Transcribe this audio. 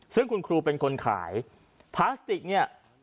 ซึ่งคุณครูเป็นคนขายพลาสติกเนี่ย